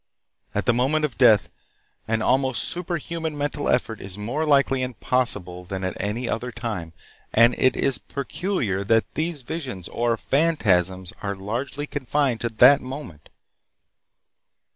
At the moment of death an almost superhuman mental effort is more likely and possible than at any other time, and it is peculiar that these visions or phantasms are largely confined to that moment.